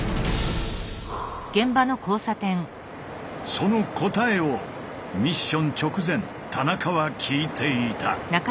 その答えをミッション直前田中は聞いていた。